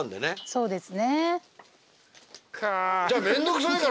そうです。